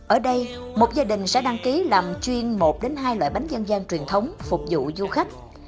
ở đây một gia đình sẽ đăng ký làm chuyên một đến hai loại bánh dân gian truyền thống phục vụ du khách